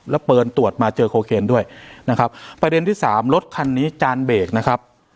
แล้วเปิดตรวจมาเจอโคเคนด้วยนะครับประเด็นที่สามรถคันนี้จานเบรกนะครับ